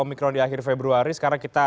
omikron di akhir februari sekarang kita